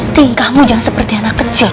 tingkahmu jangan seperti anak kecil